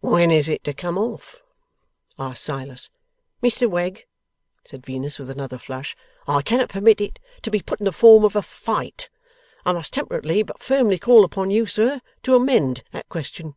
'When is it to come off?' asked Silas. 'Mr Wegg,' said Venus, with another flush. 'I cannot permit it to be put in the form of a Fight. I must temperately but firmly call upon you, sir, to amend that question.